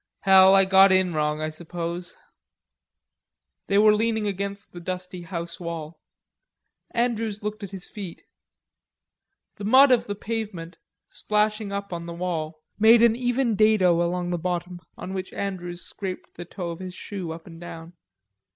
"Hell, I got in wrong, I suppose." They were leaning against the dusty house wall. Andrews looked at his feet. The mud of the pavement, splashing up on the wall, made an even dado along the bottom, on which Andrews scraped the toe of his shoe up and down.